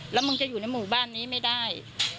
แล้วมึงจะอยู่ในหมู่บ้านนี้ไม่ได้